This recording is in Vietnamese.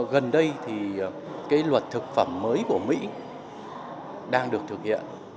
gần đây thì cái luật thực phẩm mới của mỹ đang được thực hiện